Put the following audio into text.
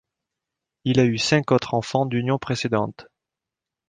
Il a eu cinq autres enfants d'unions précédentes.